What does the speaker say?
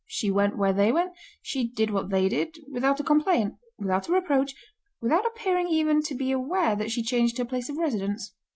She went where they went, she did what they did, without a complaint, without a reproach, without appearing even to be aware that she changed her place of residence.